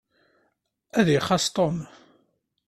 Ad ixaṣ Tom.